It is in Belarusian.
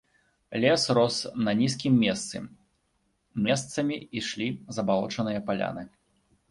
Лес рос на нізкім месцы, месцамі ішлі забалочаныя паляны.